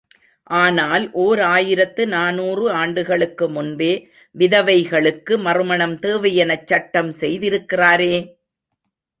ஆனால் ஓர் ஆயிரத்து நாநூறு ஆண்டுகளுக்கு முன்பே, விதவைகளுக்கு மறுமணம் தேவையெனச் சட்டம் செய்திருக்கிறாரே!